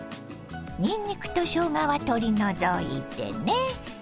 にんにくとしょうがは取り除いてね。